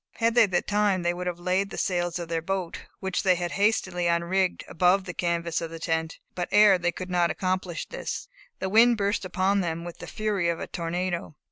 Had they the time they would have laid the sails of their boat, which they had hastily unrigged, above the canvas of the tent; but ere they could accomplish this, the wind burst upon them with the fury of a tornado.